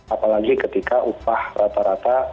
apalagi ketika upah rata rata